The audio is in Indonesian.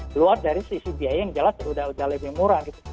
keluar dari sisi biaya yang jelas sudah lebih murah gitu